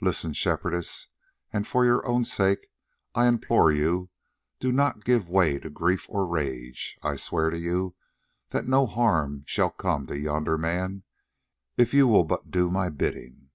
"Listen, Shepherdess, and for your own sake I implore you, do not give way to grief or rage. I swear to you that no harm shall come to yonder man if you will but do my bidding.